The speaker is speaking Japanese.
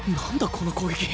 この攻撃